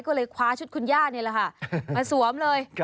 ก็เลยคว้าชุดคุณย่านี่แหละค่ะมาสวมเลย